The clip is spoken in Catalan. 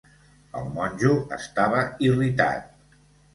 El monjo estava irritat.